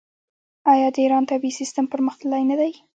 آیا د ایران طبي سیستم پرمختللی نه دی؟